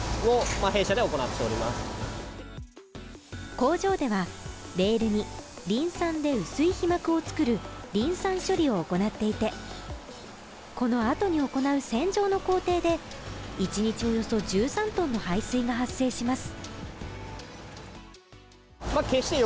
工場ではレールにリン酸で薄い皮膜を作るリン酸処理を行っていて、このあとに行う洗浄の工程で一日およそ１３ｔの廃水が発生します。